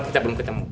kita belum ketemu